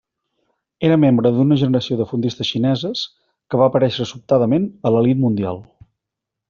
Era membre d'una generació de fondistes xineses que va aparèixer sobtadament a l'elit mundial.